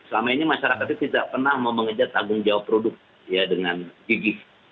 selama ini masyarakat itu tidak pernah mengejar tanggung jawab produk ya dengan gigih